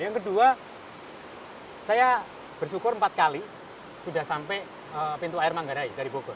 yang kedua saya bersyukur empat kali sudah sampai pintu air manggarai dari bogor